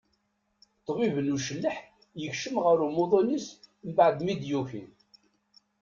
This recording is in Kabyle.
Ṭbib n ucelleḥ yekcem ɣer umuḍin-is mbaɛd mi d-yuki.